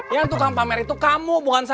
yang tukang pamer itu kamu bukan saya